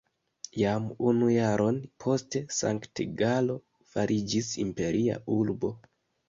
Jam unu jaron poste Sankt-Galo fariĝis imperia urbo.